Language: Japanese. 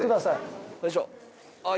よいしょっ。